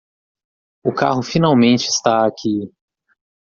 O carro finalmente está aqui.